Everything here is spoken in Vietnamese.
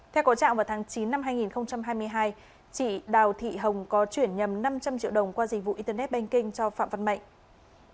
theo có trạng vào tháng chín năm hai nghìn hai mươi hai chị đào thị hồng có chuyển nhầm năm trăm linh triệu đồng qua dịch vụ internet banking cho phạm văn mạnh